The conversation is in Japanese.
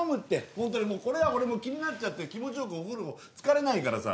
ホントにもうこれは俺もう気になっちゃって気持ち良くお風呂つかれないからさ。